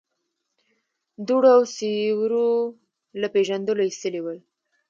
دوړو او سيورو له پېژندلو ايستلي ول.